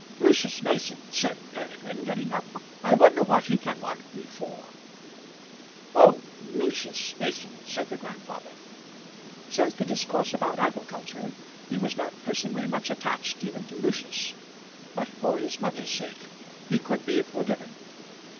"Lucius Mason," said Peregrine, getting up. "I wonder what he can want me for?" "Oh, Lucius Mason," said the grandfather. Since the discourse about agriculture he was not personally much attached even to Lucius; but for his mother's sake he could be forgiven.